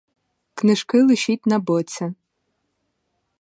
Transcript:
Книжки лишіть на боці.